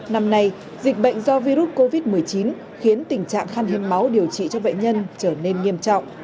năm nay dịch bệnh do virus covid một mươi chín khiến tình trạng khan hiếm máu điều trị cho bệnh nhân